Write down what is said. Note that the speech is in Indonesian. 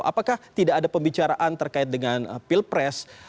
apakah tidak ada pembicaraan terkait dengan pilpres